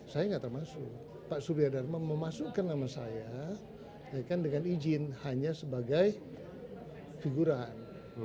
saya nggak termasuk pak surya dharma memasukkan nama saya kan dengan izin hanya sebagai figuran